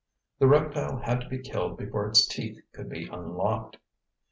The reptile had to be killed before its teeth could be unlocked.